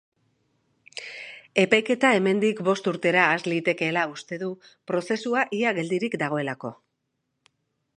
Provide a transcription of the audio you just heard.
Epaiketa hemendik bost urtera has litekeela uste du prozesua ia geldirik dagoelako.